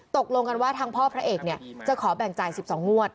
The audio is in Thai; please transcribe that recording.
ตกลงกันว่าทางพ่อพระเอกจะขอแบ่งจ่าย๑๒งวด